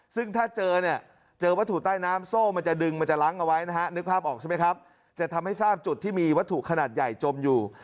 ซึ่งถ้าเจอเนี่ยเจอวัตถุใต้น้ำโซ่มันจะดึงมันจะล้างเอาไว้นะฮะนึกภาพออกใช่ไหมครับจะทำให้ทราบจุดที่มีวัตถุขนาดใหญ่จมอยู่